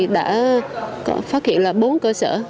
đã phát hiện là bốn cơ sở